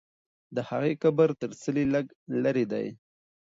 د هغې قبر تر څلي لږ لرې دی.